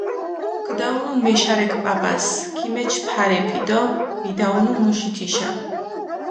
ქიდაჸუნჷ მეშარექ პაპას, ქიმეჩჷ ფარეფი დო მიდაჸუნუ მუში თიშა.